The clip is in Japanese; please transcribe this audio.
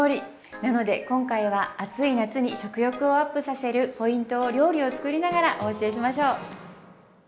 なので今回は暑い夏に食欲をアップさせるポイントを料理を作りながらお教えしましょう。